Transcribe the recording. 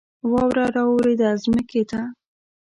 واوره را اوورېده ځمکې ته